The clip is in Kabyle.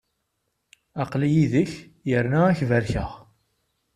Aql-i yid-k, yerna ad k-barkeɣ.